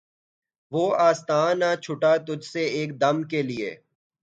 وہ آستاں نہ چھٹا تجھ سے ایک دم کے لیے